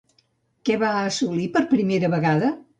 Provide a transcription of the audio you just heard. Què va assolir per primera vegada?